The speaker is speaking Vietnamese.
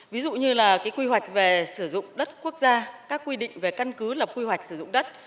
ví dụ như là quy hoạch về sử dụng đất quốc gia các quy định về căn cứ lập quy hoạch sử dụng đất